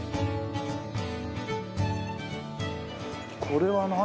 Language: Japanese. これは何？